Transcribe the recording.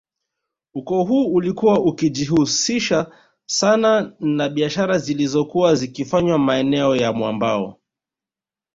Ukoo huu ulikuwa ukijihusisha sana na biashara zilizokuwa zikifanywa maeneo ya mwambao